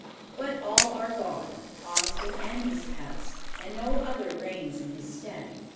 But all are gone Austin and his pets and no other reigns in his stead.